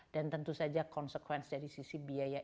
dan tentu saja konsekuensi dari sisi biaya